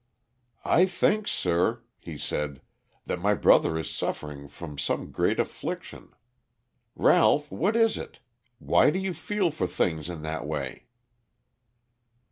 "I think, sir," he said, "that my brother is suffering from some great affliction. Ralph, what is it? Why do you feel for things in that way?"